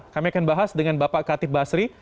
kami akan bahas dengan bapak katip basri